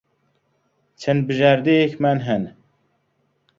چەند بژاردەیەکمان ھەن.